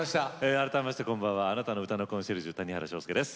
改めましてあなたの歌のコンシェルジュ谷原章介です。